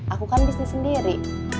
aku kan bisnis sendiri